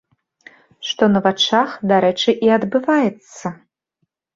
Што на вачах, дарэчы, і адбываецца.